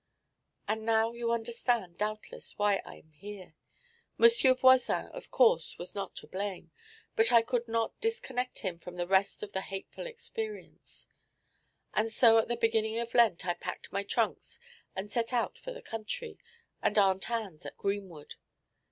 'And now you understand, doubtless, why I am here. M. Voisin, of course, was not to blame, but I could not disconnect him from the rest of the hateful experience; and so at the beginning of Lent I packed my trunks and set out for the country and Aunt Ann's at Greenwood.